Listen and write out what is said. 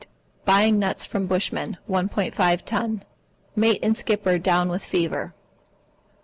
Buying nuts from bushmen, 1½ ton. Mate and skipper down with fever.